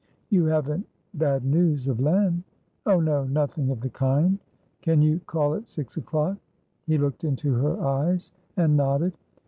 "You haven't bad news of Len?" "Oh no; nothing of the kind." "Can you call at six o'clock?" He looked into her eyes, and nodded.